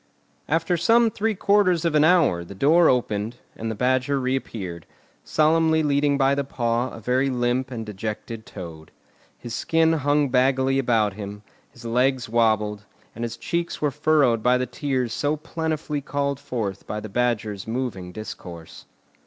After some three quarters of an hour the door opened, and the Badger reappeared, solemnly leading by the paw a very limp and dejected Toad. His skin hung baggily about him, his legs wobbled, and his cheeks were furrowed by the tears so plentifully called forth by the Badger's moving discourse.